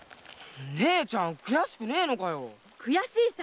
姉ちゃん悔しくねえのかよ？悔しいさ！